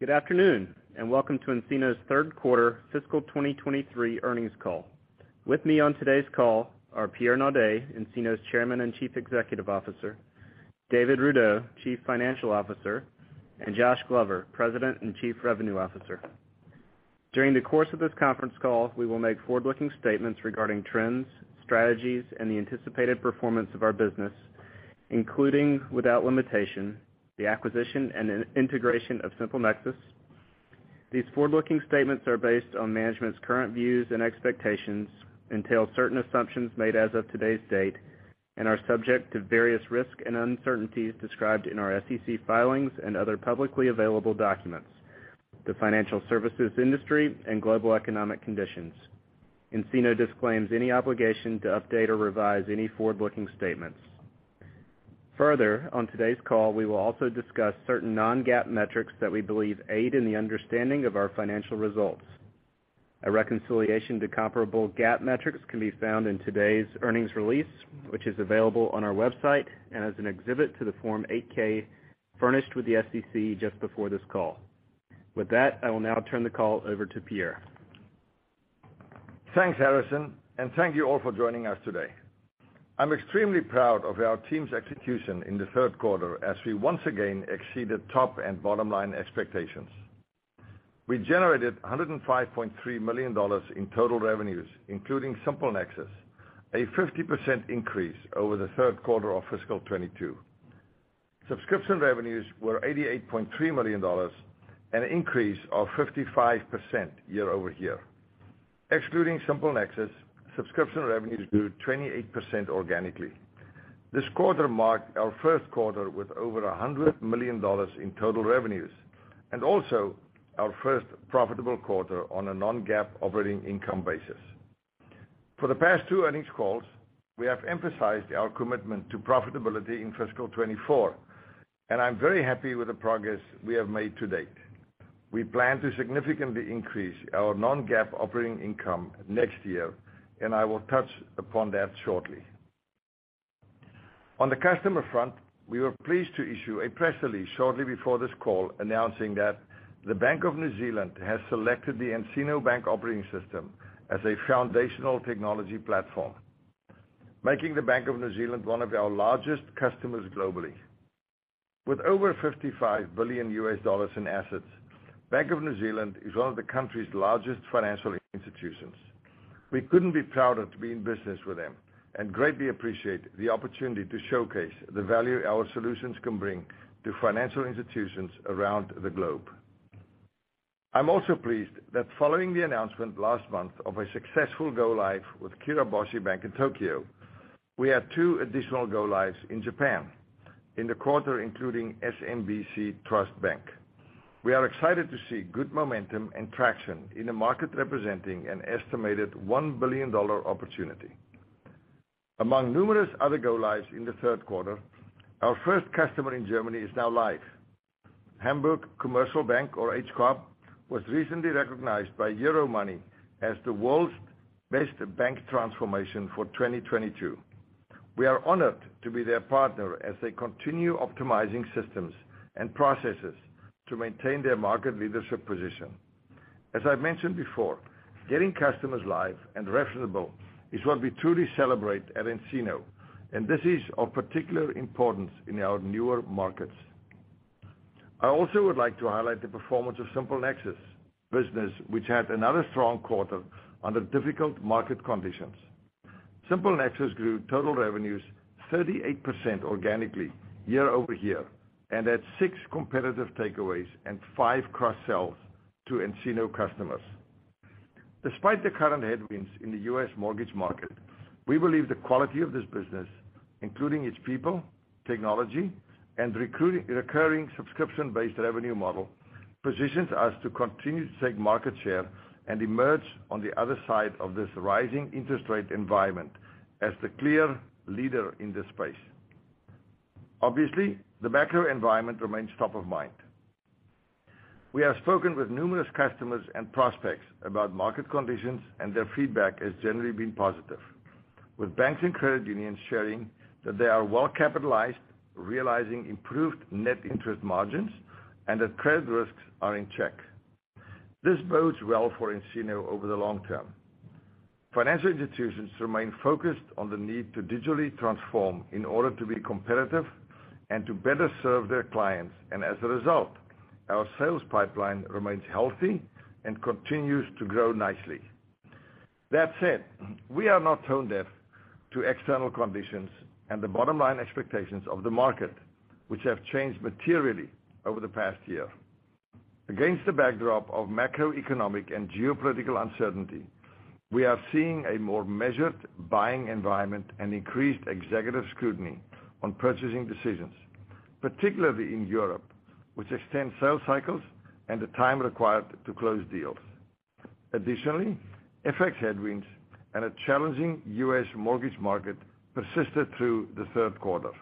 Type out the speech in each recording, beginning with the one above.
Good afternoon. Welcome to nCino's Q3 Fiscal 2023 Earnings Call. With me on today's call are Pierre Naudé, nCino's Chairman and Chief Executive Officer; David Rudow, Chief Financial Officer; and Josh Glover, President and Chief Revenue Officer. During the course of this conference call, we will make forward-looking statements regarding trends, strategies, and the anticipated performance of our business, including without limitation, the acquisition and integration of SimpleNexus. These forward-looking statements are based on management's current views and expectations, entail certain assumptions made as of today's date, and are subject to various risk and uncertainties described in our SEC filings and other publicly available documents, the financial services industry, and global economic conditions. nCino disclaims any obligation to update or revise any forward-looking statements. Further, on today's call, we will also discuss certain non-GAAP metrics that we believe aid in the understanding of our financial results. A reconciliation to comparable GAAP metrics can be found in today's earnings release, which is available on our website and as an exhibit to the Form 8-K furnished with the SEC just before this call. With that, I will now turn the call over to Pierre. Thanks, Harrison. Thank you all for joining us today. I'm extremely proud of our team's execution in the Q3 as we once again exceeded top and bottom-line expectations. We generated $105.3 million in total revenues, including SimpleNexus, a 50% increase over the Q3 of fiscal 2022. Subscription revenues were $88.3 million, an increase of 55% year-over-year. Excluding SimpleNexus, subscription revenues grew 28% organically. This quarter marked our Q1 with over $100 million in total revenues, and also our first profitable quarter on a non-GAAP operating income basis. For the past two earnings calls, we have emphasized our commitment to profitability in fiscal 2024, and I'm very happy with the progress we have made to date. We plan to significantly increase our non-GAAP operating income next year. I will touch upon that shortly. On the customer front, we were pleased to issue a press release shortly before this call announcing that the Bank of New Zealand has selected the nCino Bank Operating System as a foundational technology platform, making the Bank of New Zealand one of our largest customers globally. With over $55 billion in assets, Bank of New Zealand is one of the country's largest financial institutions. We couldn't be prouder to be in business with them and greatly appreciate the opportunity to showcase the value our solutions can bring to financial institutions around the globe. I'm also pleased that following the announcement last month of a successful go-live with Kiraboshi Bank in Tokyo, we had two additional go-lives in Japan in the quarter, including SMBC Trust Bank. We are excited to see good momentum and traction in a market representing an estimated $1 billion opportunity. Among numerous other go-lives in the Q3, our first customer in Germany is now live. Hamburg Commercial Bank, or HCOB, was recently recognized by Euromoney as the world's best bank transformation for 2022. We are honored to be their partner as they continue optimizing systems and processes to maintain their market leadership position. As I've mentioned before, getting customers live and refable is what we truly celebrate at nCino. This is of particular importance in our newer markets. I also would like to highlight the performance of SimpleNexus business, which had another strong quarter under difficult market conditions. SimpleNexus grew total revenues 38% organically year-over-year and had six competitive takeaways and five cross-sells to nCino customers. Despite the current headwinds in the U.S. mortgage market, we believe the quality of this business, including its people, technology, and recurring subscription-based revenue model, positions us to continue to take market share and emerge on the other side of this rising interest rate environment as the clear leader in this space. Obviously, the macro environment remains top of mind. We have spoken with numerous customers and prospects about market conditions, and their feedback has generally been positive, with banks and credit unions sharing that they are well-capitalized, realizing improved net interest margins, and that credit risks are in check. This bodes well for nCino over the long term. Financial institutions remain focused on the need to digitally transform in order to be competitive and to better serve their clients. As a result, our sales pipeline remains healthy and continues to grow nicely. That said, we are not tone deaf to external conditions and the bottom line expectations of the market, which have changed materially over the past year. Against the backdrop of macroeconomic and geopolitical uncertainty, we are seeing a more measured buying environment and increased executive scrutiny on purchasing decisions, particularly in Europe, which extends sales cycles and the time required to close deals. Additionally, FX headwinds and a challenging U.S. mortgage market persisted through the Q3.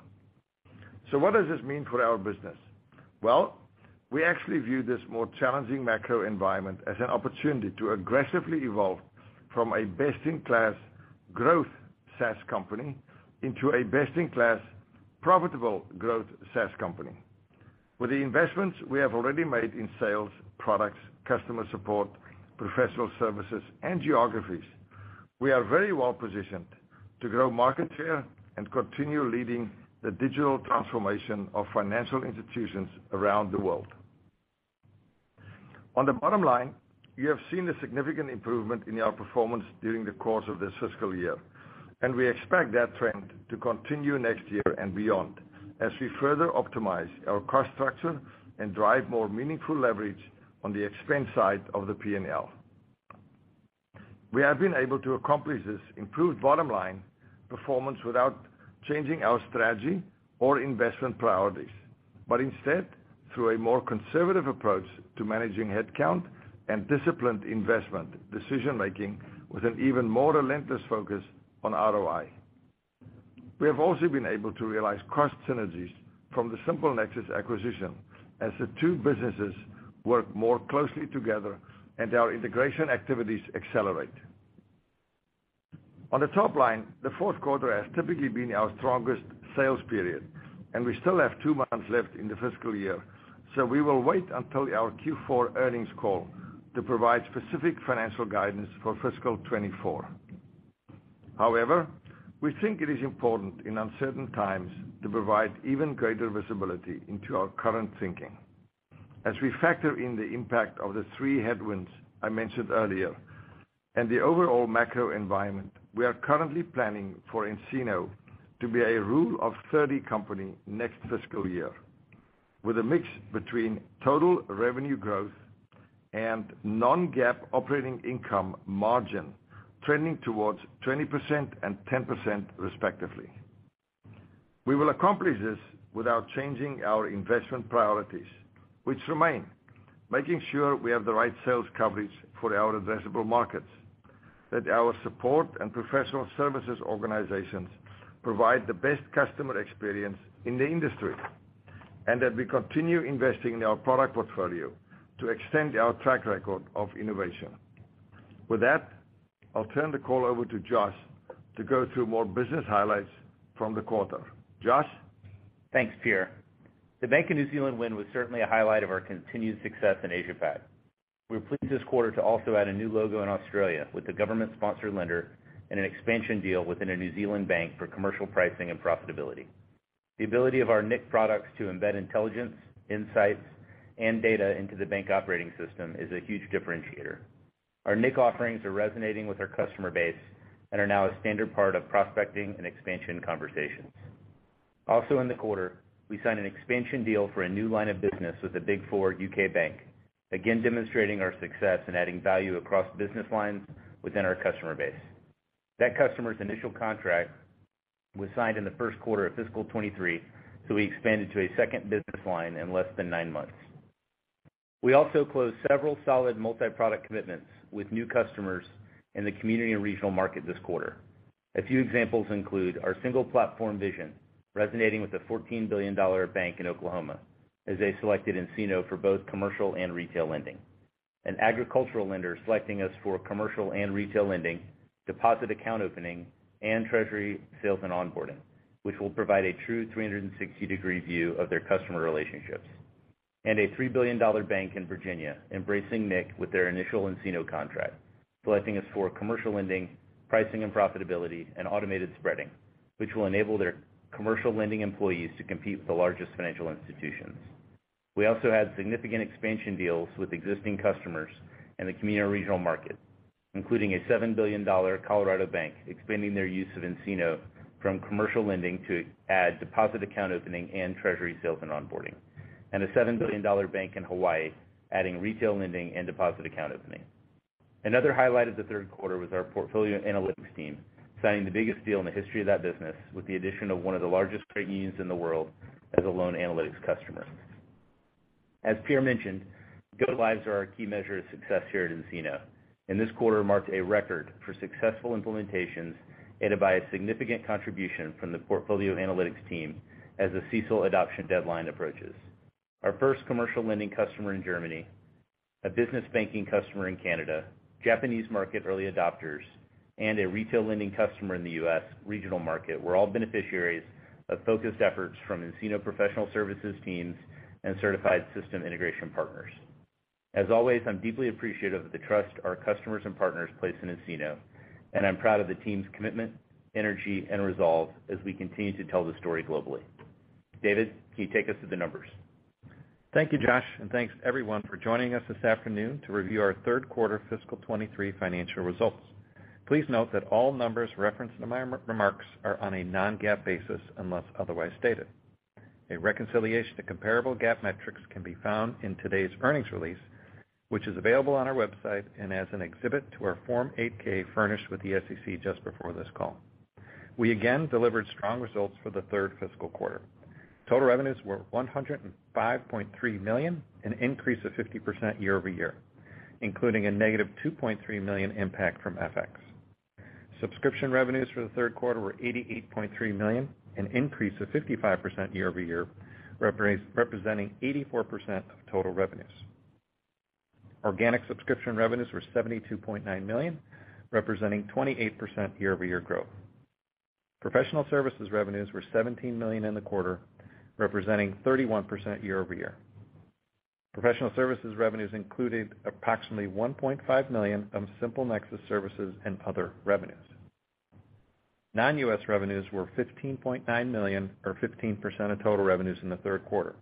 What does this mean for our business? We actually view this more challenging macro environment as an opportunity to aggressively evolve from a best-in-class growth SaaS company into a best-in-class profitable growth SaaS company. With the investments we have already made in sales, products, customer support, professional services, and geographies, we are very well positioned to grow market share and continue leading the digital transformation of financial institutions around the world. On the bottom line, you have seen a significant improvement in our performance during the course of this fiscal year, and we expect that trend to continue next year and beyond as we further optimize our cost structure and drive more meaningful leverage on the expense side of the P&L. We have been able to accomplish this improved bottom line performance without changing our strategy or investment priorities, but instead through a more conservative approach to managing headcount and disciplined investment decision-making with an even more relentless focus on ROI. We have also been able to realize cost synergies from the SimpleNexus acquisition as the two businesses work more closely together and our integration activities accelerate. On the top line, the Q4 has typically been our strongest sales period, and we still have two months left in the fiscal year, so we will wait until our Q4 earnings call to provide specific financial guidance for fiscal 2024. However, we think it is important in uncertain times to provide even greater visibility into our current thinking. As we factor in the impact of the three headwinds I mentioned earlier and the overall macro environment, we are currently planning for nCino to be a Rule of 30 company next fiscal year, with a mix between total revenue growth and non-GAAP operating income margin trending towards 20% and 10% respectively. We will accomplish this without changing our investment priorities, which remain making sure we have the right sales coverage for our addressable markets, that our support and professional services organizations provide the best customer experience in the industry, and that we continue investing in our product portfolio to extend our track record of innovation. With that, I'll turn the call over to Josh to go through more business highlights from the quarter. Josh? Thanks, Pierre. The Bank of New Zealand win was certainly a highlight of our continued success in Asia-Pac. We're pleased this quarter to also add a new logo in Australia with the government-sponsored lender and an expansion deal within a New Zealand bank for commercial pricing and profitability. The ability of our nIQ products to embed intelligence, insights, and data into the Bank Operating System is a huge differentiator. Our nIQ offerings are resonating with our customer base and are now a standard part of prospecting and expansion conversations. Also in the quarter, we signed an expansion deal for a new line of business with the Big Four U.K. bank, again demonstrating our success in adding value across business lines within our customer base. That customer's initial contract was signed in the Q1 of fiscal 23, so we expanded to a second business line in less than nine months. We also closed several solid multi-product commitments with new customers in the community and regional market this quarter. A few examples include our single platform vision resonating with a $14 billion bank in Oklahoma as they selected nCino for both commercial and retail lending. An agricultural lender selecting us for commercial and retail lending, deposit account opening, and treasury sales and onboarding, which will provide a true 360-degree view of their customer relationships. A $3 billion bank in Virginia embracing nIQ with their initial nCino contract, selecting us for commercial lending, commercial pricing and profitability, and automated spreading, which will enable their commercial lending employees to compete with the largest financial institutions. We also had significant expansion deals with existing customers in the community and regional market, including a $7 billion Colorado bank expanding their use of nCino from commercial lending to add deposit account opening and treasury sales and onboarding, and a $7 billion bank in Hawaii adding retail lending and deposit account opening. Another highlight of the Q3 was our Portfolio Analytics team signing the biggest deal in the history of that business with the addition of one of the largest credit unions in the world as a loan analytics customer. As Pierre mentioned, go-lives are our key measure of success here at nCino, and this quarter marked a record for successful implementations aided by a significant contribution from the Portfolio Analytics team as the CECL adoption deadline approaches. Our first commercial lending customer in Germany, a business banking customer in Canada, Japanese market early adopters, and a retail lending customer in the U.S. regional market were all beneficiaries of focused efforts from nCino professional services teams and certified system integration partners. As always, I'm deeply appreciative of the trust our customers and partners place in nCino, and I'm proud of the team's commitment, energy, and resolve as we continue to tell the story globally. David, can you take us through the numbers? Thank you, Josh, and thanks everyone for joining us this afternoon to review our Q3 fiscal 2023 financial results. Please note that all numbers referenced in my remarks are on a non-GAAP basis unless otherwise stated. A reconciliation to comparable GAAP metrics can be found in today's earnings release, which is available on our website and as an exhibit to our Form 8-K furnished with the SEC just before this call. We again delivered strong results for the third fiscal quarter. Total revenues were $105.3 million, an increase of 50% year-over-year, including a -$2.3 million impact from FX. Subscription revenues for the Q3 were $88.3 million, an increase of 55% year-over-year, representing 84% of total revenues. Organic subscription revenues were $72.9 million, representing 28% year-over-year growth. Professional services revenues were $17 million in the quarter, representing 31% year-over-year. Professional services revenues included approximately $1.5 million of SimpleNexus services and other revenues. Non-U.S. revenues were $15.9 million or 15% of total revenues in the Q3,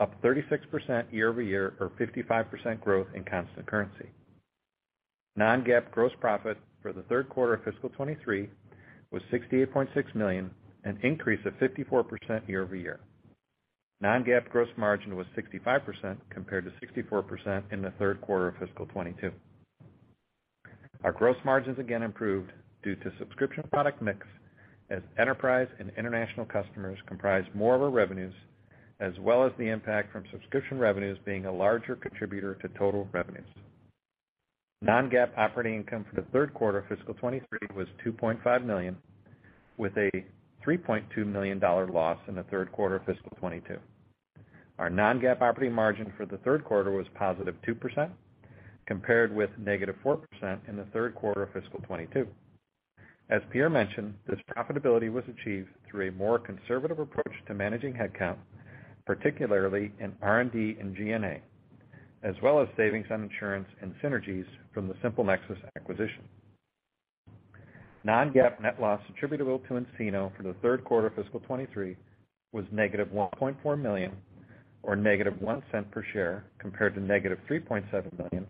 up 36% year-over-year or 55% growth in constant currency. non-GAAP gross profit for the Q3 of fiscal 2023 was $68.6 million, an increase of 54% year-over-year. non-GAAP gross margin was 65% compared to 64% in the Q3 of fiscal 2022. Our gross margins again improved due to subscription product mix as enterprise and international customers comprise more of our revenues, as well as the impact from subscription revenues being a larger contributor to total revenues. Non-GAAP operating income for the Q3 of fiscal 2023 was $2.5 million, with a $3.2 million loss in the Q3 of fiscal 2022. Our non-GAAP operating margin for the Q3 was positive 2% compared with negative 4% in the Q3 of fiscal 2022. As Pierre mentioned, this profitability was achieved through a more conservative approach to managing headcount, particularly in R&D and G&A, as well as savings on insurance and synergies from the SimpleNexus acquisition. Non-GAAP net loss attributable to nCino for the Q3 of fiscal 2023 was negative $1.4 million or negative $0.01 per share, compared to negative $3.7 million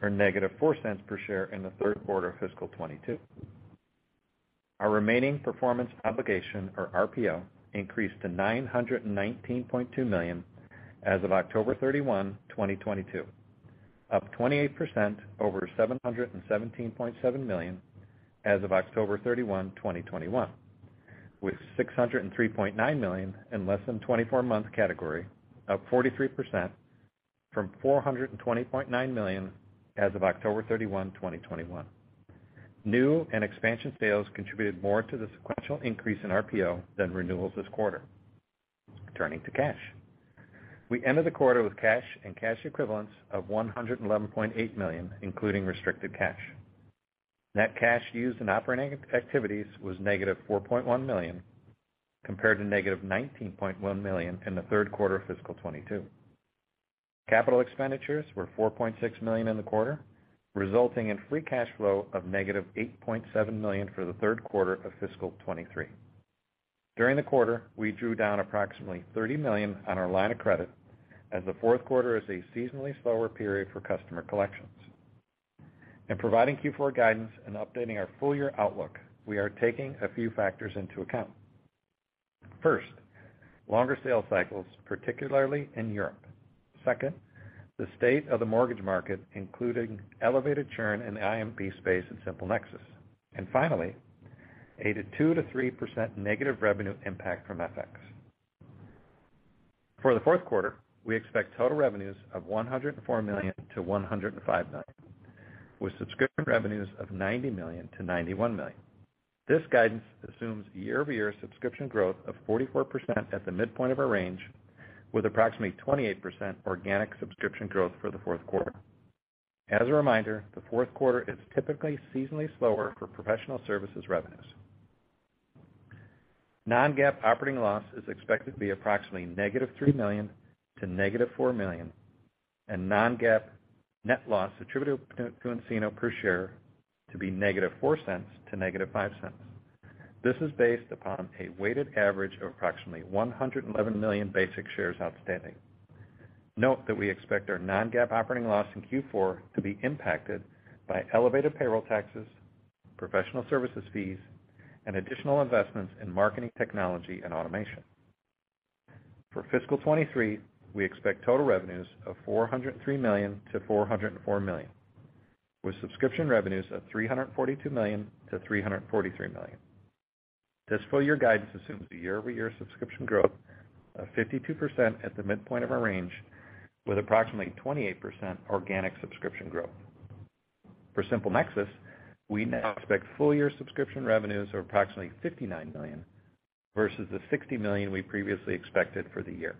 or negative $0.04 per share in the Q3 of fiscal 2022. Our remaining performance obligation, or RPO, increased to $919.2 million as of 31 October 2022, up 28% over $717.7 million as of 31 October 2021, with $603.9 million in less than 24 months category, up 43% from $420.9 million as of 31 October 2021. New and expansion sales contributed more to the sequential increase in RPO than renewals this quarter. Turning to cash. We ended the quarter with cash and cash equivalents of $111.8 million, including restricted cash. Net cash used in operating activities was -$4.1 million, compared to -$19.1 million in the Q3 of fiscal 2022. Capital expenditures were $4.6 million in the quarter, resulting in free cash flow of -$8.7 million for the Q3 of fiscal 2023. During the quarter, we drew down approximately $30 million on our line of credit as the Q4 is a seasonally slower period for customer collections. In providing Q4 guidance and updating our full year outlook, we are taking a few factors into account. First, longer sales cycles, particularly in Europe. Second, the state of the mortgage market, including elevated churn in the IMB space in SimpleNexus. Finally, a 2%-3% negative revenue impact from FX. For the Q4, we expect total revenues of $104 million-$105 million, with subscription revenues of $90 million-$91 million. This guidance assumes year-over-year subscription growth of 44% at the midpoint of our range, with approximately 28% organic subscription growth for the Q4. As a reminder, the Q4 is typically seasonally slower for professional services revenues. Non-GAAP operating loss is expected to be approximately -$3 million to -$4 million, and Non-GAAP net loss attributable to nCino per share to be -$0.04 to -$0.05. This is based upon a weighted average of approximately 111 million basic shares outstanding. Note that we expect our Non-GAAP operating loss in Q4 to be impacted by elevated payroll taxes, professional services fees, and additional investments in marketing technology and automation. For fiscal 2023, we expect total revenues of $403 million-$404 million, with subscription revenues of $342 million-$343 million. This full year guidance assumes a year-over-year subscription growth of 52% at the midpoint of our range, with approximately 28% organic subscription growth. For SimpleNexus, we now expect full year subscription revenues of approximately $59 million versus the $60 million we previously expected for the year.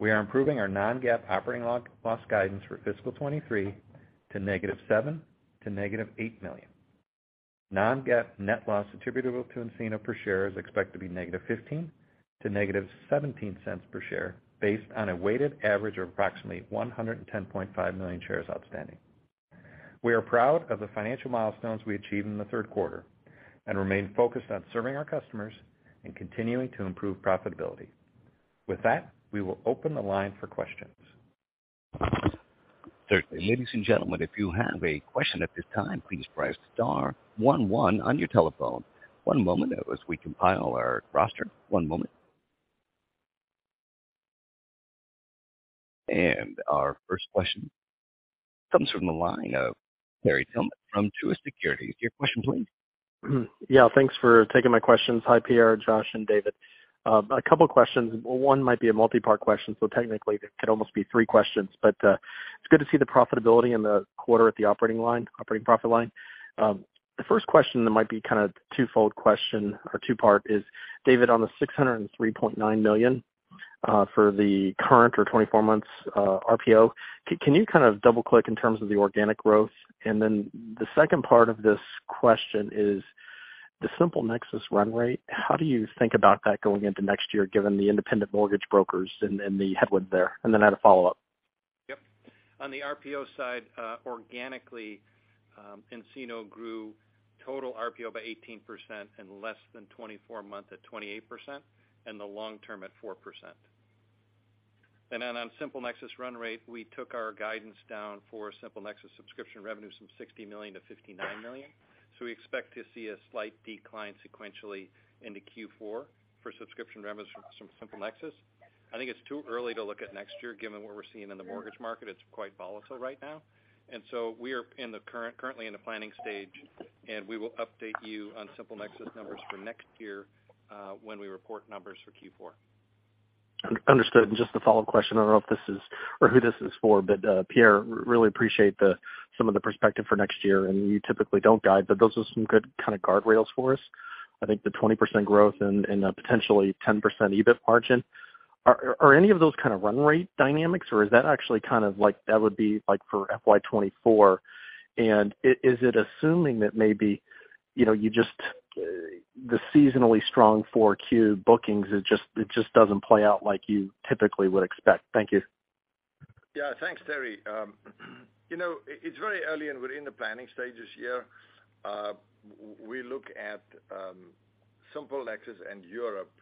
We are improving our non-GAAP operating loss guidance for fiscal 2023 to -$7 million to -$8 million. Non-GAAP net loss attributable to nCino per share is expected to be -$0.15 to -$0.17 per share based on a weighted average of approximately 110.5 million shares outstanding. We are proud of the financial milestones we achieved in the Q3 and remain focused on serving our customers and continuing to improve profitability. With that, we will open the line for questions. Certainly. Ladies and gentlemen, if you have a question at this time, please press star one one on your telephone. One moment as we compile our roster. One moment. Our first question comes from the line of Terry Tillman from Truist Securities. Your question, please. Yeah, thanks for taking my questions. Hi, Pierre, Josh, and David. A couple of questions. One might be a multi-part question, so technically they could almost be three questions, but it's good to see the profitability in the quarter at the operating profit line. The first question that might be kind of twofold question or two-part is, David, on the $603.9 million for the current or 24 months, RPO, can you kind of double-click in terms of the organic growth? The second part of this question is the SimpleNexus run rate, how do you think about that going into next year, given the independent mortgage brokers and the headwind there? I had a follow-up. Yep. On the RPO side, organically, nCino grew total RPO by 18% and less than 24 month at 28% and the long-term at 4%. On SimpleNexus run rate, we took our guidance down for SimpleNexus subscription revenue from $60 million to $59 million. We expect to see a slight decline sequentially into Q4 for subscription revenues from SimpleNexus. I think it's too early to look at next year, given what we're seeing in the mortgage market. It's quite volatile right now. We are currently in the planning stage, and we will update you on SimpleNexus numbers for next year, when we report numbers for Q4. Just a follow-up question. I don't know if this is or who this is for, but Pierre, really appreciate the some of the perspective for next year, and you typically don't guide, but those are some good kinda guardrails for us. I think the 20% growth and a potentially 10% EBIT margin. Are any of those kinda run rate dynamics, or is that actually kind of like that would be like for FY 2024? Is it assuming that maybe, you know, you just, the seasonally strong 4Q bookings is just, it doesn't play out like you typically would expect. Thank you. Yeah. Thanks, Terry. you know, it's very early, and we're in the planning stages here. we look at SimpleNexus and Europe,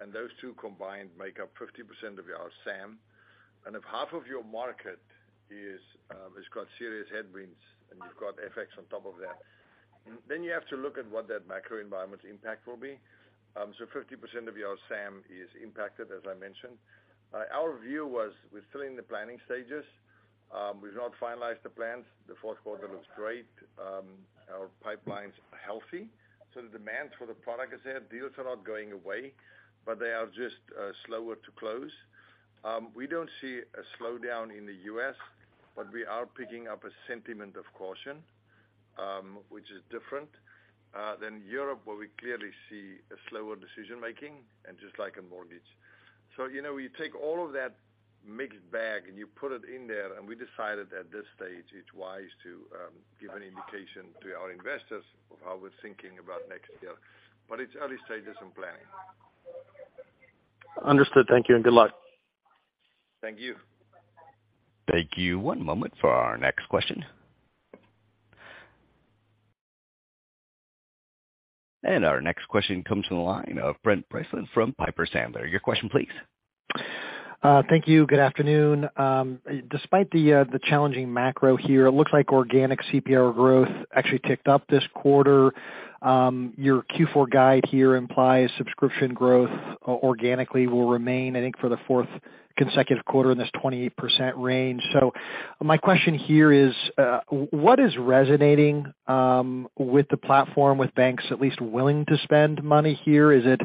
and those two combined make up 50% of our SAM. If half of your market is has got serious headwinds and you've got FX on top of that, then you have to look at what that macro environment impact will be. 50% of your SAM is impacted, as I mentioned. Our view was we're still in the planning stages. We've not finalized the plans. The Q4 looks great. Our pipeline's healthy. The demand for the product is there. Deals are not going away, but they are just slower to close. We don't see a slowdown in the U.S., but we are picking up a sentiment of caution, which is different than Europe, where we clearly see a slower decision-making and just like a mortgage. You know, we take all of that mixed bag, and you put it in there, and we decided at this stage it's wise to give an indication to our investors of how we're thinking about next year. It's early stages in planning. Understood. Thank you, and good luck. Thank you. Thank you. One moment for our next question. Our next question comes from the line of Brent Bracelin from Piper Sandler. Your question please. Thank you. Good afternoon. Despite the challenging macro here, it looks like organic CRPO growth actually ticked up this quarter. Your Q4 guide here implies subscription growth organically will remain, I think, for the fourth consecutive quarter in this 28% range. My question here is, what is resonating with the platform with banks at least willing to spend money here? Is it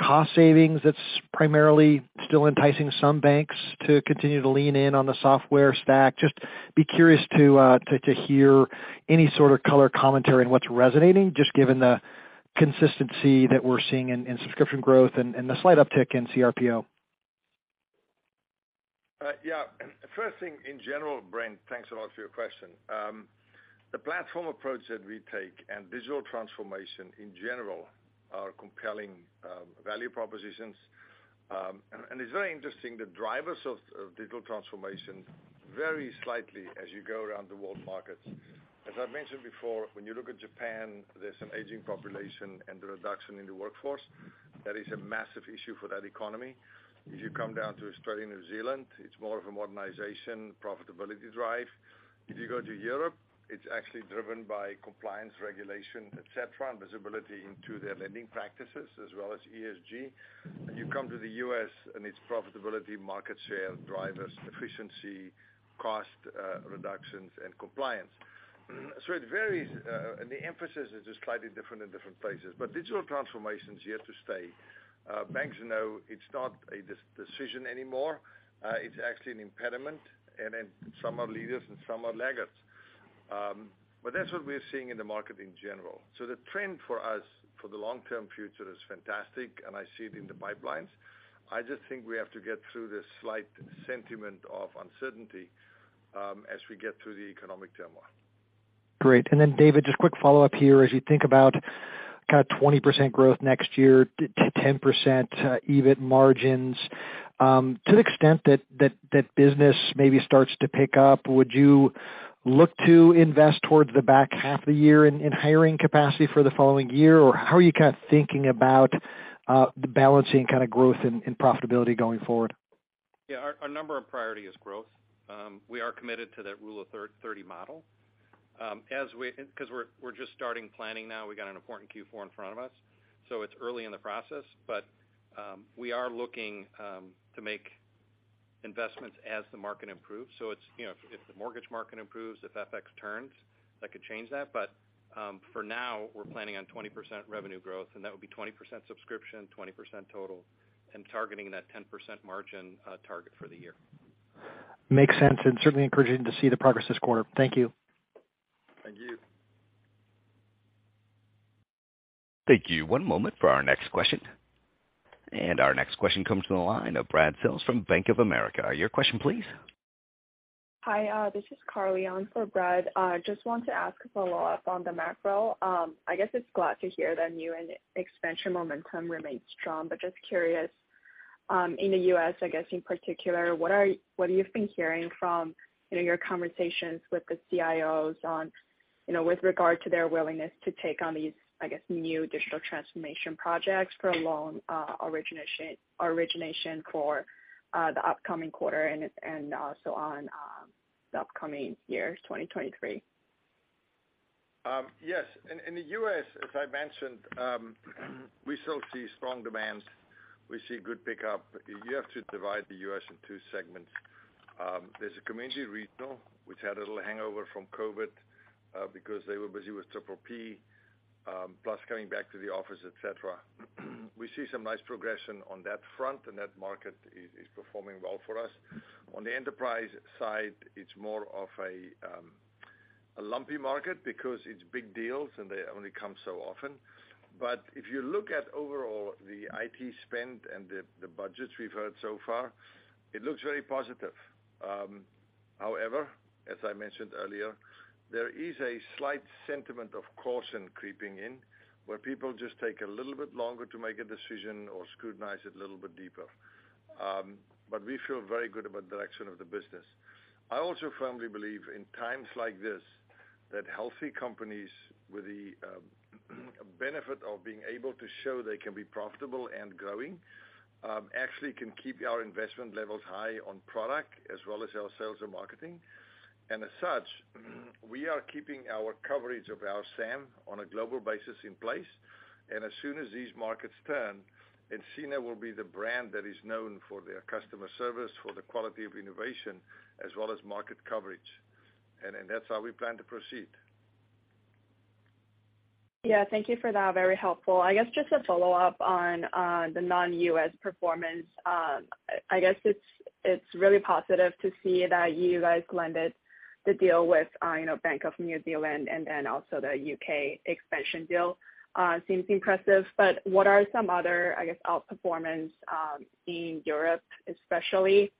cost savings that's primarily still enticing some banks to continue to lean in on the software stack? Just be curious to hear any sort of color commentary on what's resonating, just given the consistency that we're seeing in subscription growth and the slight uptick in CRPO. Yeah. First thing, in general, Brent, thanks a lot for your question. The platform approach that we take and digital transformation in general are compelling value propositions. It's very interesting, the drivers of digital transformation vary slightly as you go around the world markets. As I've mentioned before, when you look at Japan, there's an aging population and the reduction in the workforce. That is a massive issue for that economy. If you come down to Australia, New Zealand, it's more of a modernization profitability drive. If you go to Europe, it's actually driven by compliance, regulation, et cetera, and visibility into their lending practices as well as ESG. You come to the U.S., and it's profitability, market share, drivers, efficiency, cost reductions, and compliance. It varies. The emphasis is just slightly different in different places. Digital transformation is here to stay. Banks know it's not a decision anymore. It's actually an impediment, and then some are leaders and some are laggards. That's what we're seeing in the market in general. The trend for us for the long-term future is fantastic, and I see it in the pipelines. I just think we have to get through this slight sentiment of uncertainty, as we get through the economic turmoil. Great. David, just quick follow-up here. As you think about 20% growth next year to 10% EBIT margins, to the extent that business maybe starts to pick up, would you look to invest towards the back half of the year in hiring capacity for the following year? Or how are you thinking about the balancing growth and profitability going forward? Yeah. Our, our number one priority is growth. We are committed to that Rule of 30 model. cause we're just starting planning now. We got an important Q4 in front of us, so it's early in the process. We are looking to make investments as the market improves. It's, you know, if the mortgage market improves, if FX turns, that could change that. For now, we're planning on 20% revenue growth, and that would be 20% subscription, 20% total, and targeting that 10% margin target for the year. Makes sense, and certainly encouraging to see the progress this quarter. Thank you. Thank you. Thank you. One moment for our next question. Our next question comes from the line of Brad Sills from Bank of America. Your question please. Hi, this is Carly on for Brad. I just want to ask a follow-up on the macro. I guess it's glad to hear that new and expansion momentum remains strong, but just curious, in the U.S. I guess in particular, what you've been hearing from, you know, your conversations with the CIOs on, you know, with regard to their willingness to take on these, I guess, new digital transformation projects for loan origination for the upcoming quarter and also on the upcoming years, 2023? Yes. In the U.S., as I mentioned, we still see strong demands. We see good pickup. You have to divide the U.S. in two segments. There's a community regional which had a little hangover from COVID, because they were busy with PPP, plus coming back to the office, et cetera. We see some nice progression on that front and that market is performing well for us. On the enterprise side, it's more of a lumpy market because it's big deals and they only come so often. If you look at overall the IT spend and the budgets we've heard so far, it looks very positive. However, as I mentioned earlier, there is a slight sentiment of caution creeping in, where people just take a little bit longer to make a decision or scrutinize it a little bit deeper. We feel very good about the direction of the business. I also firmly believe in times like this, that healthy companies with the benefit of being able to show they can be profitable and growing, actually can keep our investment levels high on product as well as our sales and marketing. As such, we are keeping our coverage of our SAM on a global basis in place and as soon as these markets turn, nCino will be the brand that is known for their customer service, for the quality of innovation as well as market coverage. That's how we plan to proceed. Yeah. Thank you for that. Very helpful. I guess just a follow-up on the non-U.S. performance. I guess it's really positive to see that you guys landed the deal with, you know, Bank of New Zealand and then also the U.K. expansion deal seems impressive. What are some other, I guess, outperformance in Europe especially?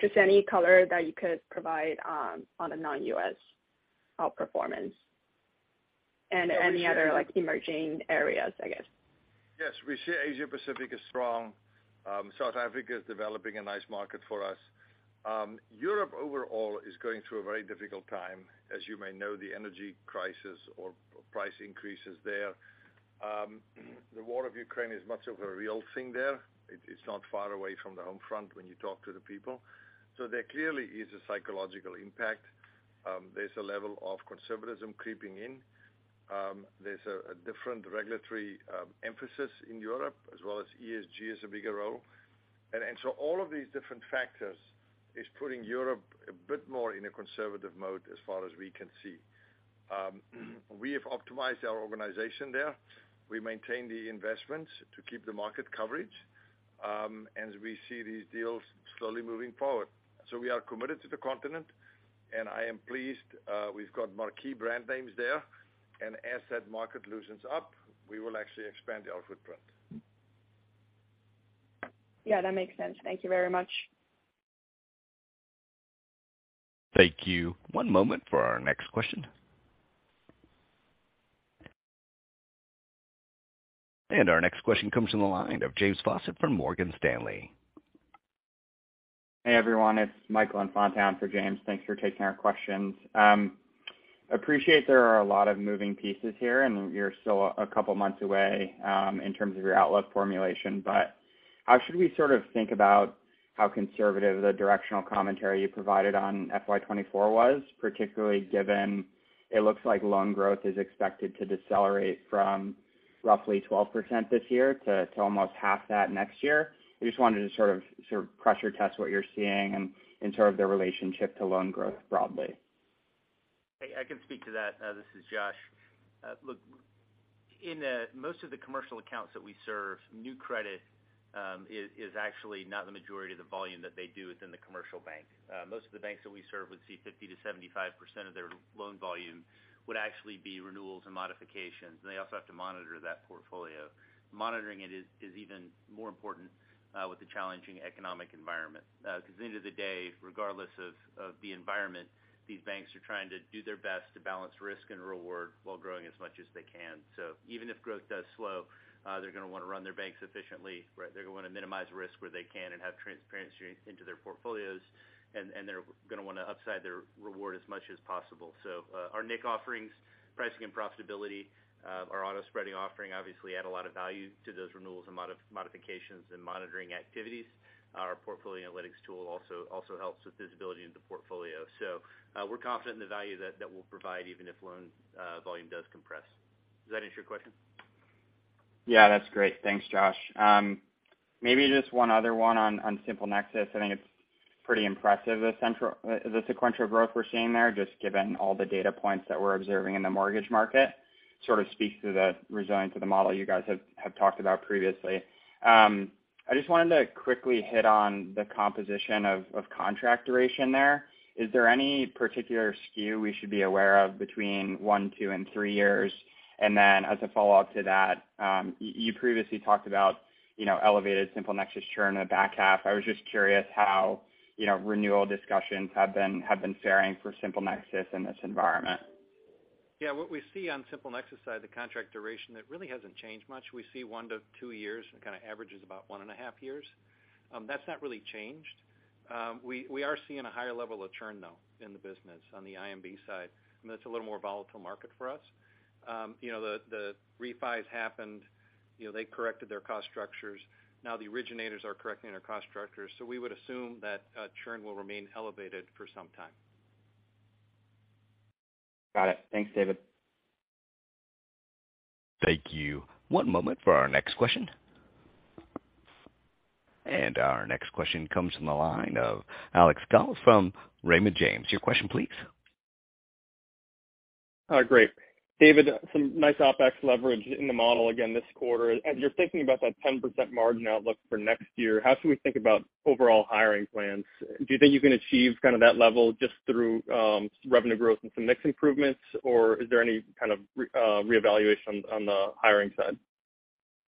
Just any color that you could provide on a non-U.S. outperformance and any other like emerging areas, I guess? Yes, we see Asia Pacific as strong. South Africa is developing a nice market for us. Europe overall is going through a very difficult time. As you may know, the energy crisis or price increases there. The war of Ukraine is much of a real thing there. It's not far away from the home front when you talk to the people. There clearly is a psychological impact. There's a level of conservatism creeping in. There's a different regulatory emphasis in Europe as well as ESG has a bigger role. All of these different factors is putting Europe a bit more in a conservative mode as far as we can see. We have optimized our organization there. We maintain the investments to keep the market coverage as we see these deals slowly moving forward. We are committed to the continent, and I am pleased, we've got marquee brand names there. As that market loosens up, we will actually expand our footprint. Yeah, that makes sense. Thank you very much. Thank you. One moment for our next question. Our next question comes from the line of James Faucette from Morgan Stanley. Hey, everyone, it's Michael Infante for James. Thanks for taking our questions. Appreciate there are a lot of moving pieces here, and you're still a couple months away, in terms of your outlook formulation. How should we sort of think about how conservative the directional commentary you provided on FY 2024 was, particularly given it looks like loan growth is expected to decelerate from roughly 12% this year to almost half that next year? I just wanted to sort of pressure test what you're seeing and in sort of the relationship to loan growth broadly. I can speak to that. This is Josh. Look, in most of the commercial accounts that we serve, new credit is actually not the majority of the volume that they do within the commercial bank. Most of the banks that we serve would see 50%-75% of their loan volume would actually be renewals and modifications, and they also have to monitor that portfolio. Monitoring it is even more important with the challenging economic environment. Because at the end of the day regardless of the environment, these banks are trying to do their best to balance risk and reward while growing as much as they can. Even if growth does slow, they're gonna wanna run their banks efficiently, right? They're gonna wanna minimize risk where they can and have transparency into their portfolios, and they're gonna wanna upside their reward as much as possible. Our nIQ offerings, Pricing and Profitability, our Automated Spreading offering obviously add a lot of value to those renewals and modifications and monitoring activities. Our Portfolio Analytics tool also helps with visibility into portfolio. We're confident in the value that we'll provide even if loan volume does compress. Does that answer your question? Yeah, that's great. Thanks, Josh. maybe just one other one on SimpleNexus. Pretty impressive, the central, the sequential growth we're seeing there, just given all the data points that we're observing in the mortgage market, sort of speaks to the resilience of the model you guys have talked about previously. I just wanted to quickly hit on the composition of contract duration there. Is there any particular skew we should be aware of between one, two, and three years? Then as a follow-up to that, you previously talked about, you know, elevated SimpleNexus churn in the back half. I was just curious how, you know, renewal discussions have been faring for SimpleNexus in this environment. Yeah. What we see on SimpleNexus side, the contract duration, it really hasn't changed much. We see one to two years. It kind of averages about 1.5 years. That's not really changed. We are seeing a higher level of churn, though, in the business on the IMB side, that's a little more volatile market for us. You know, the refis happened. You know, they corrected their cost structures. Now the originators are correcting their cost structures. We would assume that churn will remain elevated for some time. Got it. Thanks, David. Thank you. One moment for our next question. Our next question comes from the line of Alex Sklar from Raymond James. Your question, please. Great. David, some nice OpEx leverage in the model again this quarter. As you're thinking about that 10% margin outlook for next year, how should we think about overall hiring plans? Do you think you can achieve kind of that level just through revenue growth and some mix improvements, or is there any kind of reevaluation on the hiring side?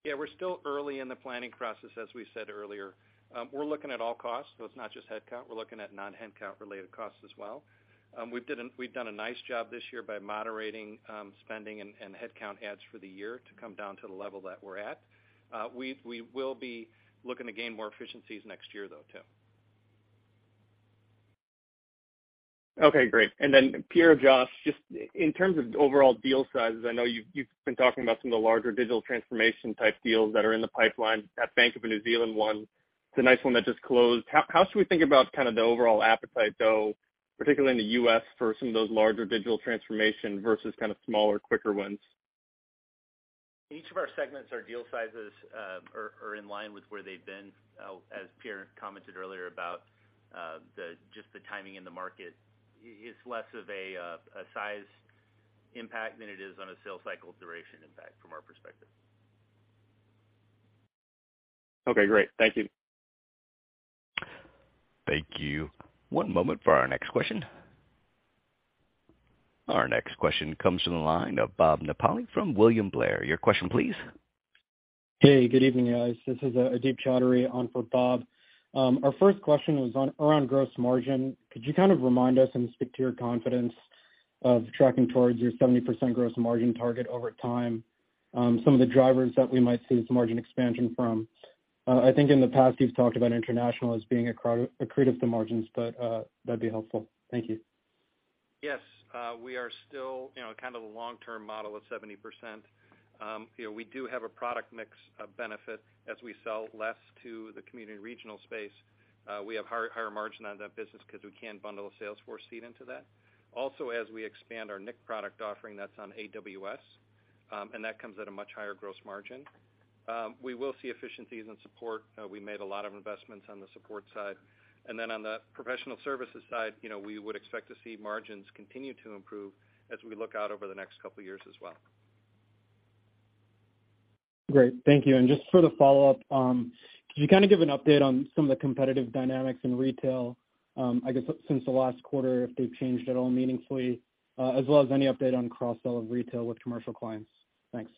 We're still early in the planning process, as we said earlier. We're looking at all costs, it's not just headcount. We're looking at non-headcount-related costs as well. We've done a nice job this year by moderating spending and headcount adds for the year to come down to the level that we're at. We will be looking to gain more efficiencies next year, though, too. Okay, great. Pierre or Josh, just in terms of overall deal sizes, I know you've been talking about some of the larger digital transformation-type deals that are in the pipeline. That Bank of New Zealand one, it's a nice one that just closed. How should we think about kind of the overall appetite, though, particularly in the U.S. for some of those larger digital transformation versus kind of smaller, quicker ones? Each of our segments or deal sizes, are in line with where they've been. As Pierre commented earlier about, the, just the timing in the market, it's less of a size impact than it is on a sales cycle duration impact from our perspective. Okay, great. Thank you. Thank you. One moment for our next question. Our next question comes from the line of Bob Napoli from William Blair. Your question, please. Hey, good evening, guys. This is Adib Choudhury on for Bob Napoli. Our first question was on around gross margin. Could you kind of remind us and speak to your confidence of tracking towards your 70% gross margin target over time, some of the drivers that we might see some margin expansion from? I think in the past, you've talked about international as being accretive to margins, but that'd be helpful. Thank you. Yes. We are still, you know, kind of the long-term model of 70%. You know, we do have a product mix benefit as we sell less to the community and regional space. We have higher margin on that business because we can bundle a Salesforce seat into that. Also, as we expand our nIQ product offering, that's on AWS, and that comes at a much higher gross margin. We will see efficiencies in support. We made a lot of investments on the support side. Then on the professional services side, you know, we would expect to see margins continue to improve as we look out over the next couple of years as well. Great. Thank you. Just sort of follow-up, could you kind of give an update on some of the competitive dynamics in retail, I guess, since the last quarter, if they've changed at all meaningfully, as well as any update on cross-sell of retail with commercial clients? Thanks.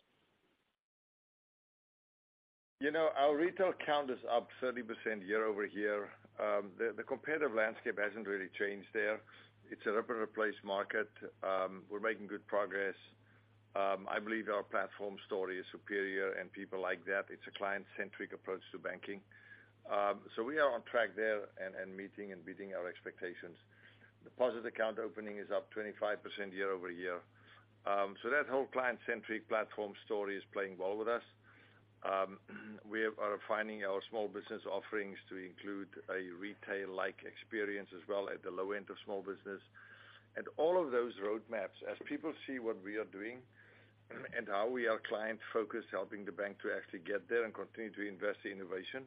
You know, our retail count is up 30% year-over-year. The competitive landscape hasn't really changed there. It's a rip and replace market. We're making good progress. I believe our platform story is superior and people like that. It's a client-centric approach to banking. We are on track there and meeting and beating our expectations. deposit account opening is up 25% year-over-year. That whole client-centric platform story is playing well with us. We are refining our small business offerings to include a retail-like experience as well at the low end of small business. All of those roadmaps, as people see what we are doing and how we are client-focused, helping the bank to actually get there and continue to invest in innovation,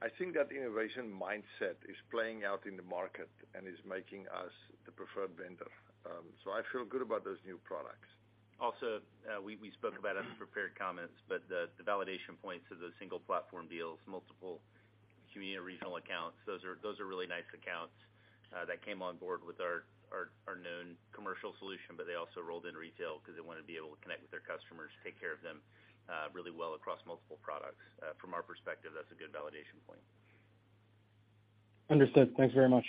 I think that innovation mindset is playing out in the market and is making us the preferred vendor. I feel good about those new products. We spoke about it in the prepared comments, but the validation points of those single platform deals, multiple community regional accounts, those are really nice accounts that came on board with our known commercial solution, but they also rolled in retail because they wanna be able to connect with their customers, take care of them really well across multiple products. From our perspective, that's a good validation point. Understood. Thanks very much.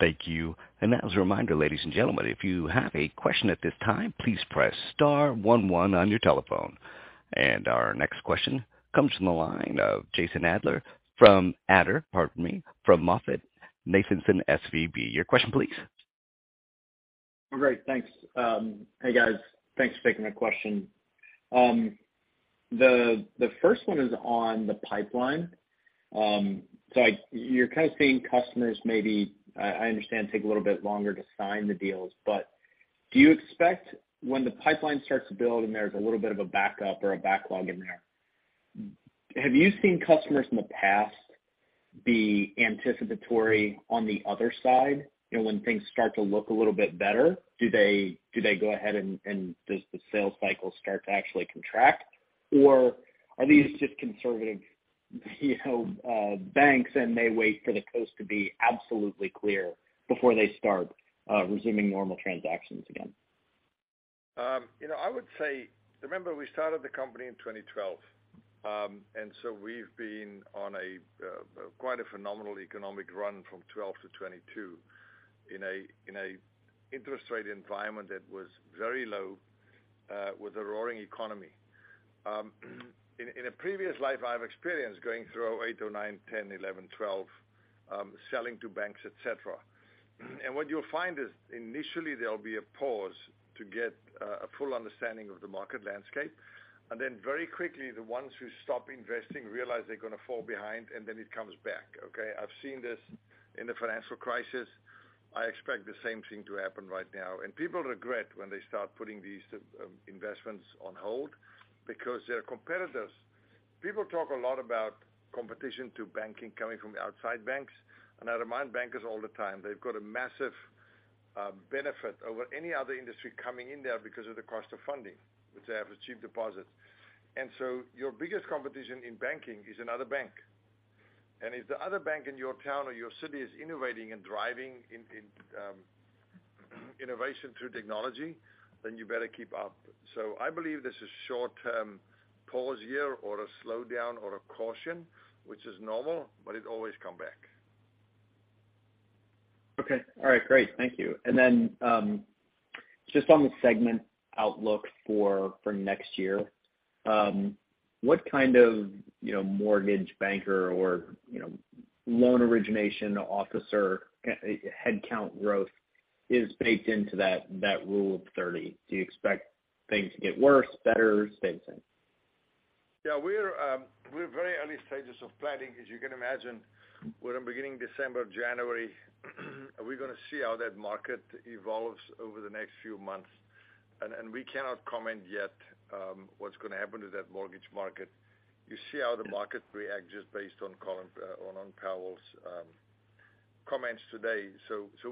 Thank you. As a reminder, ladies and gentlemen, if you have a question at this time, please press star one one on your telephone. Our next question comes from the line of Jason Adler from MoffettNathanson SVB. Your question, please. Great, thanks. Hey, guys. Thanks for taking my question. The first one is on the pipeline. You're kind of seeing customers maybe, I understand, take a little bit longer to sign the deals. Do you expect when the pipeline starts to build and there's a little bit of a backup or a backlog in there, have you seen customers in the past be anticipatory on the other side? You know, when things start to look a little bit better, do they go ahead and does the sales cycle start to actually contract? Are these just conservative, you know, banks, and they wait for the coast to be absolutely clear before they start resuming normal transactions again? You know, I would say, remember we started the company in 2012. So we've been on a quite a phenomenal economic run from '12 to '22 in a interest rate environment that was very low with a roaring economy. In a previous life I've experienced going through '08, '09, '10, '11, '12, selling to banks, et cetera. What you'll find is initially there'll be a pause to get a full understanding of the market landscape. Then very quickly, the ones who stop investing realize they're gonna fall behind, and then it comes back. Okay? I've seen this in the financial crisis. I expect the same thing to happen right now. People regret when they start putting these investments on hold because their competitors. People talk a lot about competition to banking coming from outside banks. I remind bankers all the time they've got a massive benefit over any other industry coming in there because of the cost of funding, which they have with cheap deposits. Your biggest competition in banking is another bank. If the other bank in your town or your city is innovating and driving innovation through technology, then you better keep up. I believe this is short-term pause here, or a slowdown or a caution, which is normal, but it always come back. Okay. All right. Great. Thank you. Then, just on the segment outlook for next year, what kind of, you know, mortgage banker or, you know, loan origination officer, headcount growth is baked into that Rule of 30? Do you expect things to get worse, better, same? Yeah. We're very early stages of planning. As you can imagine, we're in beginning December, January, are we gonna see how that market evolves over the next few months. We cannot comment yet what's gonna happen to that mortgage market. You see how the market reacts just based on calling on Powell's comments today.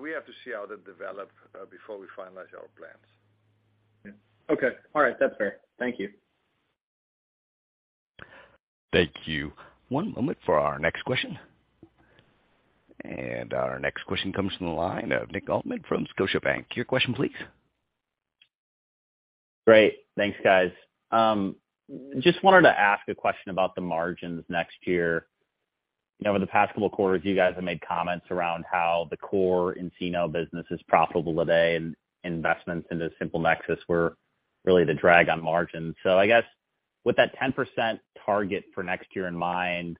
We have to see how that develop before we finalize our plans. Yeah. Okay. All right. That's fair. Thank you. Thank you. One moment for our next question. Our next question comes from the line of Nick Altmann from Scotiabank. Your question please. Great. Thanks, guys. Just wanted to ask a question about the margins next year. You know, over the past couple quarters, you guys have made comments around how the core nCino business is profitable today and investments into SimpleNexus were really the drag on margins. I guess with that 10% target for next year in mind,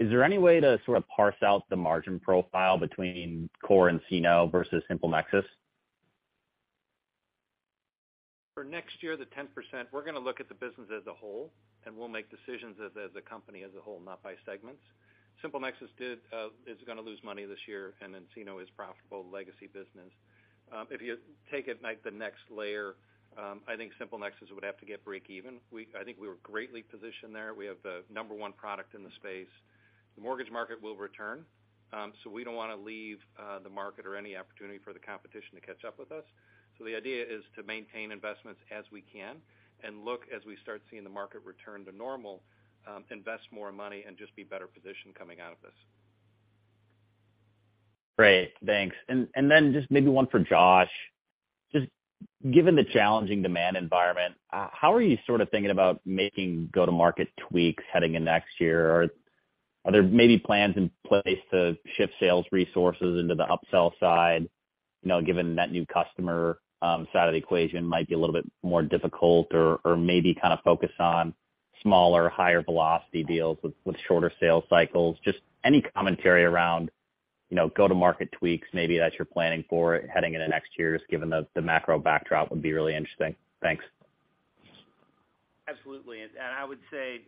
is there any way to sort of parse out the margin profile between core nCino versus SimpleNexus? For next year, the 10%, we're gonna look at the business as a whole. We'll make decisions as a company as a whole, not by segments. SimpleNexus did is gonna lose money this year. nCino is profitable legacy business. If you take it like the next layer, I think SimpleNexus would have to get breakeven. I think we were greatly positioned there. We have the number one product in the space. The mortgage market will return. We don't wanna leave the market or any opportunity for the competition to catch up with us. The idea is to maintain investments as we can and look as we start seeing the market return to normal, invest more money and just be better positioned coming out of this. Great. Thanks. Then just maybe one for Josh. Just given the challenging demand environment, how are you sort of thinking about making go-to-market tweaks heading in next year? Are there maybe plans in place to shift sales resources into the upsell side, given that new customer side of the equation might be a little bit more difficult or maybe kind of focus on smaller, higher velocity deals with shorter sales cycles? Just any commentary around go-to-market tweaks maybe that you're planning for heading into next year, just given the macro backdrop would be really interesting. Thanks. Absolutely. I would say,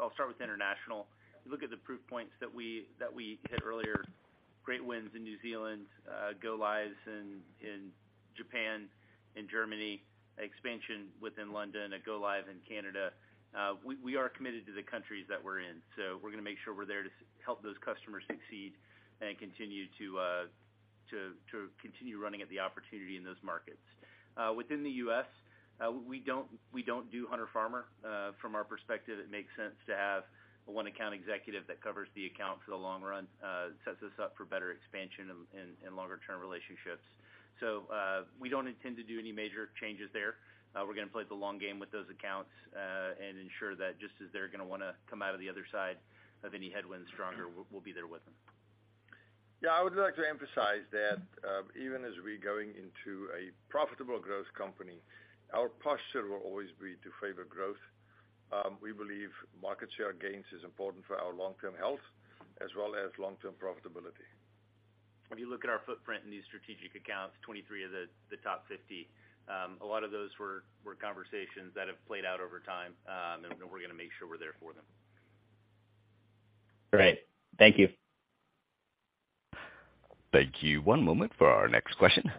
I'll start with international. If you look at the proof points that we hit earlier, great wins in New Zealand, go-lives in Japan and Germany, expansion within London, a go-live in Canada. We are committed to the countries that we're in. We're gonna make sure we're there to help those customers succeed and continue running at the opportunity in those markets. Within the U.S., we don't do hunter-farmer. From our perspective, it makes sense to have one account executive that covers the account for the long run, sets us up for better expansion and longer term relationships. We don't intend to do any major changes there. We're gonna play the long game with those accounts, and ensure that just as they're gonna wanna come out of the other side of any headwinds stronger, we'll be there with them. Yeah. I would like to emphasize that, even as we're going into a profitable growth company, our posture will always be to favor growth. We believe market share gains is important for our long-term health as well as long-term profitability. If you look at our footprint in these strategic accounts, 23 of the top 50, a lot of those were conversations that have played out over time. We're gonna make sure we're there for them. Great. Thank you. Thank you. One moment for our next question.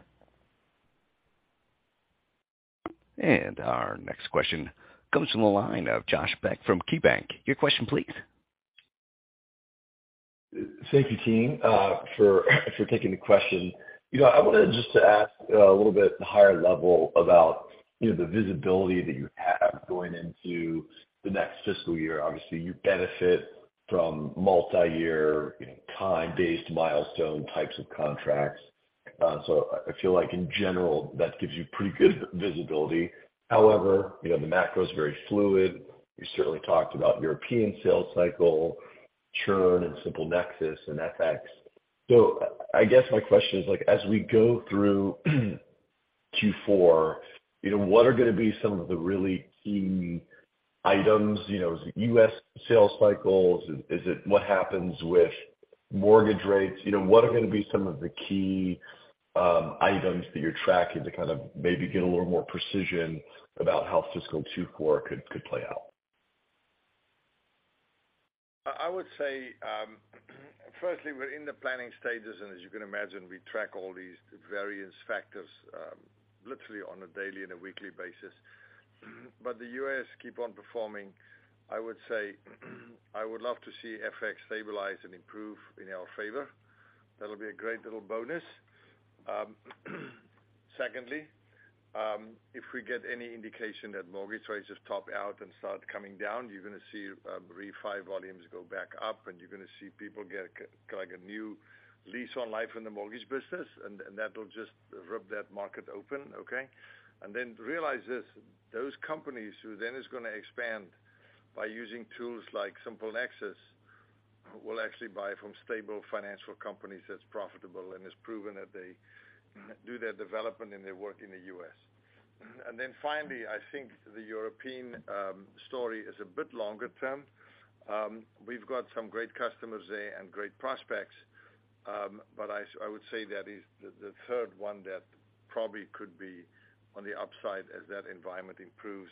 Our next question comes from the line of Josh Beck from KeyBanc. Your question, please. Thank you, team, for taking the question. You know, I wanted just to ask a little bit higher level about, you know, the visibility that you have going into the next fiscal year. Obviously, you benefit from multiyear, you know, time-based milestone types of contracts. I feel like in general, that gives you pretty good visibility. However, you know, the macro is very fluid. You certainly talked about European sales cycle churn and SimpleNexus and FX. I guess my question is, like, as we go through Q4, you know, what are gonna be some of the really key items, you know, is it U.S. sales cycles? Is it what happens with mortgage rates? You know, what are gonna be some of the key items that you're tracking to kind of maybe get a little more precision about how fiscal Q4 could play out? I would say, firstly, we're in the planning stages, and as you can imagine, we track all these various factors, literally on a daily and a weekly basis. The U.S. keep on performing, I would say I would love to see FX stabilize and improve in our favor. That'll be a great little bonus. Secondly, if we get any indication that mortgage rates just top out and start coming down, you're gonna see, refi volumes go back up, and you're gonna see people get like a new lease on life in the mortgage business, and that'll just rip that market open. Okay. Realize this, those companies who then is gonna expand by using tools like SimpleNexus will actually buy from stable financial companies that's profitable and has proven that they do their development and their work in the U.S. Finally, I think the European story is a bit longer term. We've got some great customers there and great prospects, I would say that is the third one that probably could be on the upside as that environment improves,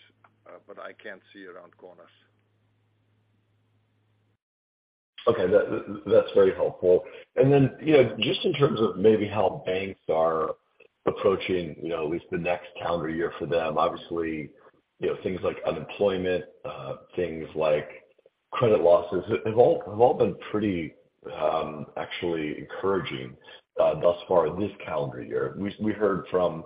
I can't see around corners. Okay. That's very helpful. You know, just in terms of maybe how banks are approaching, you know, at least the next calendar year for them, obviously, you know, things like unemployment, things like credit losses have all been pretty, actually encouraging, thus far this calendar year. We heard from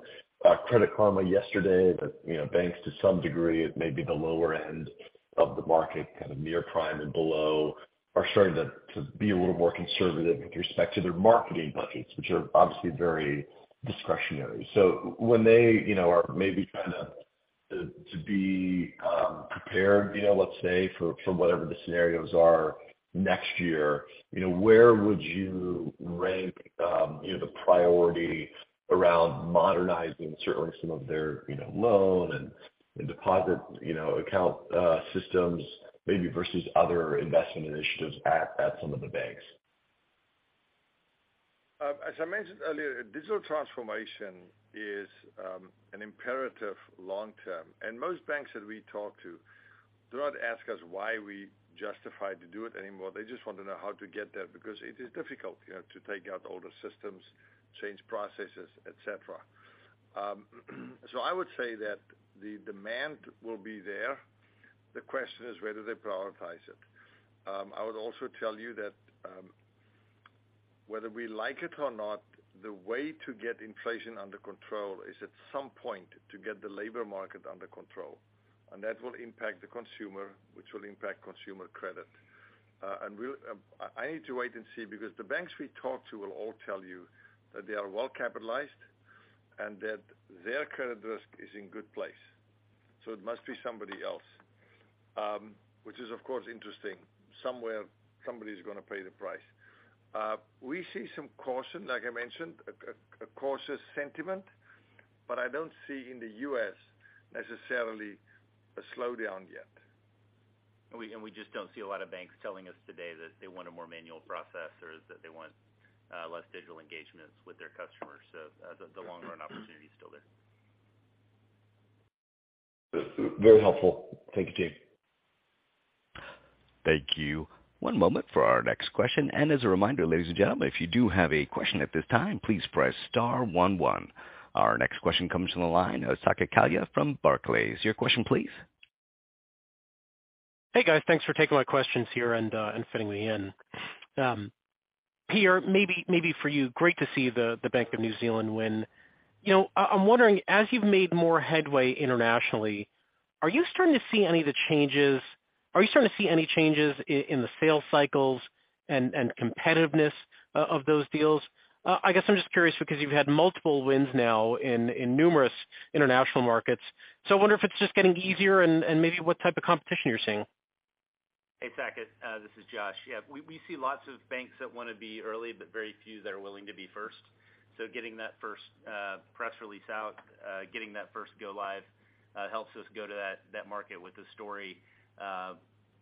Credit Karma yesterday that, you know, banks, to some degree, at maybe the lower end of the market, kind of near prime and below, are starting to be a little more conservative with respect to their marketing budgets, which are obviously very discretionary. When they, you know, are maybe trying to be prepared, you know, let's say for whatever the scenarios are next year, you know, where would you rank, you know, the priority around modernizing certainly some of their, you know, loan and deposit, you know, account systems maybe versus other investment initiatives at some of the banks? As I mentioned earlier, digital transformation is an imperative long term. Most banks that we talk to do not ask us why we justify to do it anymore. They just want to know how to get there because it is difficult, you know, to take out older systems, change processes, et cetera. I would say that the demand will be there. The question is whether they prioritize it. I would also tell you that, whether we like it or not, the way to get inflation under control is at some point to get the labor market under control, and that will impact the consumer, which will impact consumer credit. I need to wait and see because the banks we talk to will all tell you that they are well capitalized and that their credit risk is in good place. It must be somebody else, which is of course interesting. Somewhere, somebody's gonna pay the price. We see some caution, like I mentioned, a cautious sentiment, but I don't see in the U.S. necessarily a slowdown yet. We just don't see a lot of banks telling us today that they want a more manual process or that they want less digital engagements with their customers. The long run opportunity is still there. Very helpful. Thank you, team. Thank you. One moment for our next question. As a reminder, ladies and gentlemen, if you do have a question at this time, please press star one one. Our next question comes from the line of Saket Kalia from Barclays. Your question, please. Hey, guys. Thanks for taking my questions here and fitting me in. Peter, maybe for you, great to see the Bank of New Zealand win. You know, I'm wondering, as you've made more headway internationally, are you starting to see any changes in the sales cycles and competitiveness of those deals? I guess I'm just curious because you've had multiple wins now in numerous international markets. I wonder if it's just getting easier and maybe what type of competition you're seeing. Hey, Saket. This is Josh. Yeah. We see lots of banks that wanna be early, but very few that are willing to be first. Getting that first press release out, getting that first go live, helps us go to that market with a story,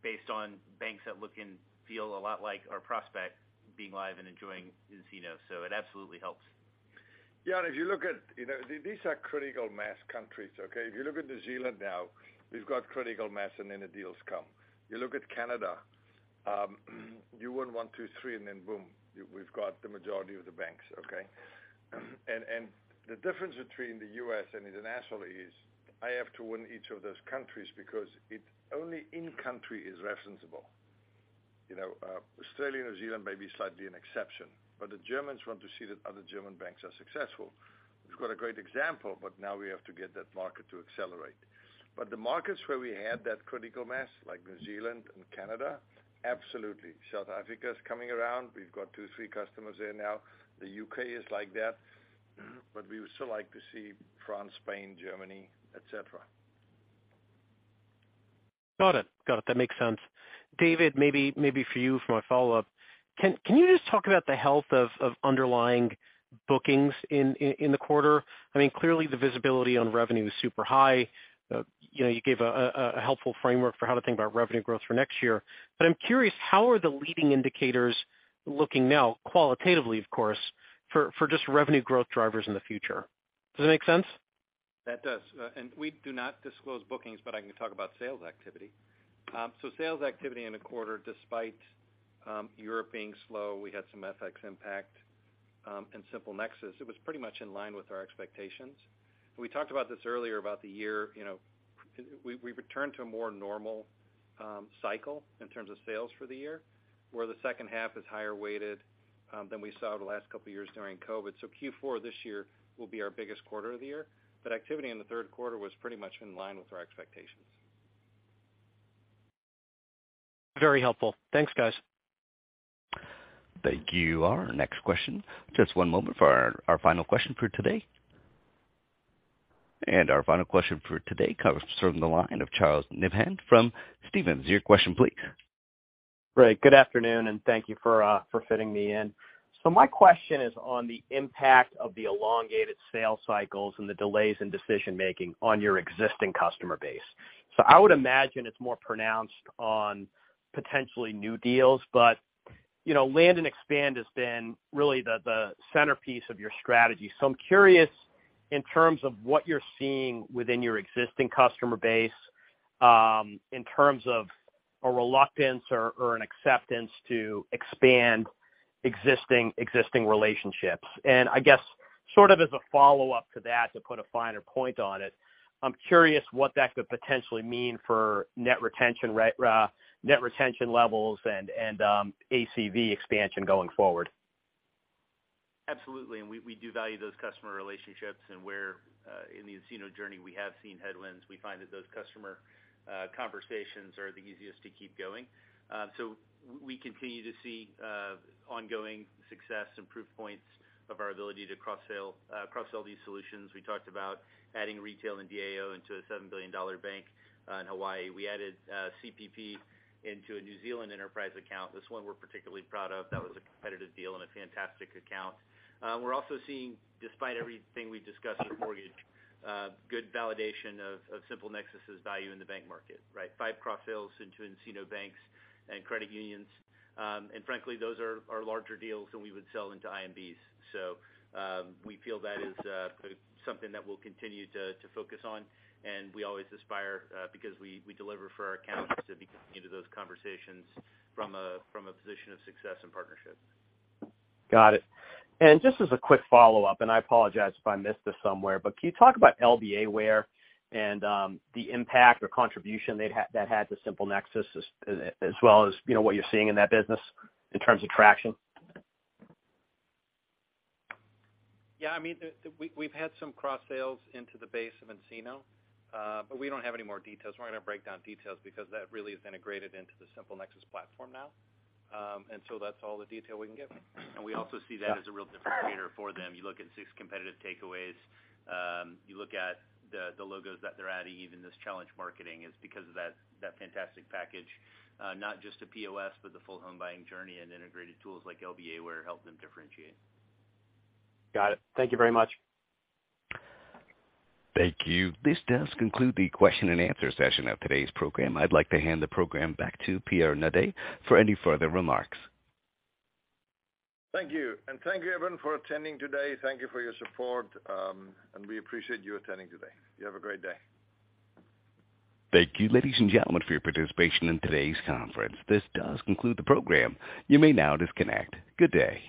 based on banks that look and feel a lot like our prospect being live and enjoying nCino. It absolutely helps. Yeah. If you look at, you know, these are critical mass countries, okay? If you look at New Zealand now, we've got critical mass, and then the deals come. You look at Canada, you win one, two, three, and then boom, we've got the majority of the banks, okay? The difference between the U.S. and international is I have to win each of those countries because it only in country is referenceable. You know, Australia, New Zealand may be slightly an exception, but the Germans want to see that other German banks are successful. We've got a great example, but now we have to get that market to accelerate. The markets where we had that critical mass, like New Zealand and Canada, absolutely. South Africa is coming around. We've got two, three customers there now. The U.K. is like that, but we would still like to see France, Spain, Germany, et cetera. Got it. Got it. That makes sense. David, maybe for you for my follow-up. Can you just talk about the health of underlying bookings in the quarter? I mean, clearly the visibility on revenue is super high. You know, you gave a helpful framework for how to think about revenue growth for next year. I'm curious, how are the leading indicators looking now, qualitatively of course, for just revenue growth drivers in the future? Does that make sense? That does. We do not disclose bookings, but I can talk about sales activity. Sales activity in a quarter, despite Europe being slow, we had some FX impact, and SimpleNexus, it was pretty much in line with our expectations. We talked about this earlier about the year. You know, we returned to a more normal cycle in terms of sales for the year, where the second half is higher weighted than we saw the last couple of years during COVID. Q4 this year will be our biggest quarter of the year. Activity in the Q3 was pretty much in line with our expectations. Very helpful. Thanks, guys. Thank you. Our next question. Just one moment for our final question for today. Our final question for today comes from the line of Charles Nabhan from Stephens. Your question, please. Great. Good afternoon, and thank you for fitting me in. My question is on the impact of the elongated sales cycles and the delays in decision-making on your existing customer base. I would imagine it's more pronounced on potentially new deals, but, you know, land and expand has been really the centerpiece of your strategy. I'm curious in terms of what you're seeing within your existing customer base in terms of a reluctance or an acceptance to expand existing relationships. I guess sort of as a follow-up to that, to put a finer point on it, I'm curious what that could potentially mean for net retention levels and ACV expansion going forward. Absolutely. We do value those customer relationships. Where in the nCino journey, we have seen headwinds, we find that those customer conversations are the easiest to keep going. We continue to see ongoing success and proof points of our ability to cross sell these solutions. We talked about adding retail and DAO into a $7 billion bank in Hawaii. We added CPP into a New Zealand enterprise account. This one we're particularly proud of. That was a competitive deal and a fantastic account. We're also seeing, despite everything we've discussed in mortgage, good validation of SimpleNexus's value in the bank market, right? Five cross sales into nCino banks and credit unions. Frankly, those are larger deals than we would sell into IMBs. We feel that is something that we'll continue to focus on, and we always aspire because we deliver for our accounts to be coming into those conversations from a position of success and partnership. Got it. Just as a quick follow-up, and I apologize if I missed this somewhere, but can you talk about LBA Ware and the impact or contribution that had to SimpleNexus as well as, you know, what you're seeing in that business in terms of traction? I mean, the... We've had some cross sales into the base of nCino, but we don't have any more details. We're not gonna break down details because that really is integrated into the SimpleNexus platform now. That's all the detail we can give. We also see that as a real differentiator for them. You look at 6 competitive takeaways, you look at the logos that they're adding, even this challenge marketing is because of that fantastic package, not just a POS, but the full home buying journey and integrated tools like LBA Ware help them differentiate. Got it. Thank you very much. Thank you. This does conclude the question and answer session of today's program. I'd like to hand the program back to Pierre Naudé for any further remarks. Thank you. Thank you everyone for attending today. Thank you for your support, and we appreciate you attending today. You have a great day. Thank you, ladies and gentlemen, for your participation in today's conference. This does conclude the program. You may now disconnect. Good day.